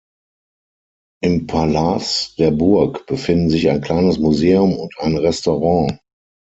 Im Palas der Burg befinden sich ein kleines Museum und ein Restaurant.